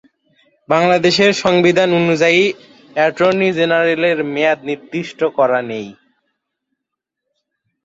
বাংলাদেশের সংবিধান অনুযায়ী অ্যাটর্নি জেনারেলের মেয়াদ নির্দিষ্ট করা নেই।